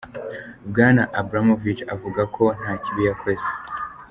Bwana Abramovich avuga ko nta kibi yakoze.